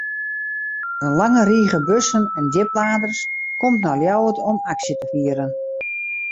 In lange rige bussen en djipladers komt nei Ljouwert om aksje te fieren.